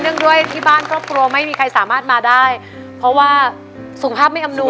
ด้วยที่บ้านครอบครัวไม่มีใครสามารถมาได้เพราะว่าสุขภาพไม่อำนวย